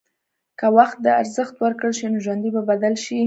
که وخت ته ارزښت ورکړل شي، نو ژوند به بدل شي.